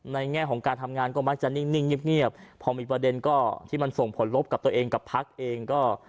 แง่ของการทำงานก็มักจะนิ่งเงียบพอมีประเด็นก็ที่มันส่งผลลบกับตัวเองกับพักเองก็